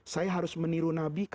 saya harus meniru nabi